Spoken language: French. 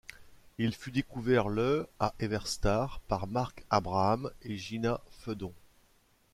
Il fut découvert le à Everstar par Mark Abraham et Gina Fedon.